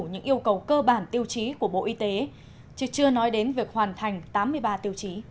những yêu cầu cơ bản tiêu chí của bộ y tế chứ chưa nói đến việc hoàn thành tám mươi ba tiêu chí